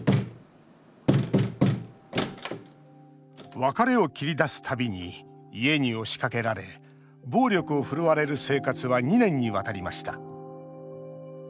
別れを切り出すたびに家に押しかけられ暴力を振るわれる生活は２年にわたりました。